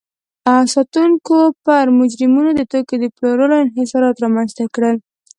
ساتونکو پر مجرمینو د توکو د پلور انحصارات رامنځته کړل.